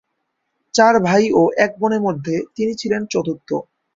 চার ভাই ও এক বোনের মধ্যে তিনি ছিলেন চতুর্থ।